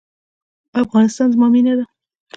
افغانستان زما مینه ده؟